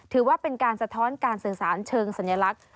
ถือว่าเป็นการสะท้อนการสื่อสารเชิงสัญลักษณ์